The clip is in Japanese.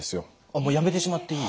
あっもうやめてしまっていい？